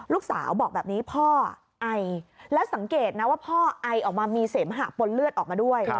ลูกสาวบอกแบบนี้พ่อไอแล้วสังเกตนะว่าพ่อไอออกมามีเสมหะปนเลือดออกมาด้วย